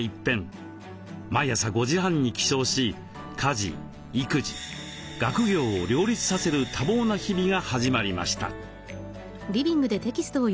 毎朝５時半に起床し家事育児学業を両立させる多忙な日々が始まりました。